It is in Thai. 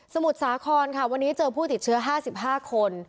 มุทรสาครค่ะวันนี้เจอผู้ติดเชื้อ๕๕คน